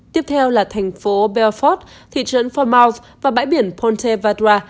tiếp theo là thành phố belfort thị trấn formouth và bãi biển ponte vardua